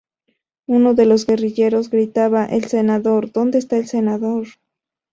Uno de los guerrilleros gritaba "El senador... ¡dónde está el senador!?".